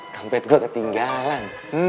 kampet gue ketinggalan